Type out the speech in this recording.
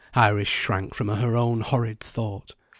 Iris shrank from her own horrid thought.